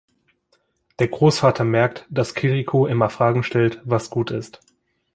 Der Großvater merkt, dass Kirikou immer Fragen stellt, was gut ist.